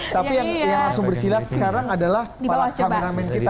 tapi yang langsung bersilat sekarang adalah para kameramen kita